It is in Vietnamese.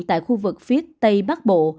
tại khu vực phía tây bắc bộ